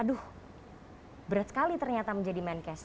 aduh berat sekali ternyata menjadi menkes